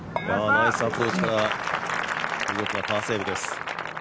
ナイスアプローチから見事なパーセーブです。